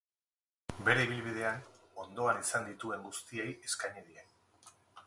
Bere ibilbidean ondoan izan dituen guztiei eskaini die.